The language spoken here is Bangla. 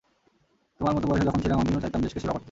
তোমার মতো বয়সে যখন ছিলাম, আমিও চাইতাম দেশকে সেবা করতে।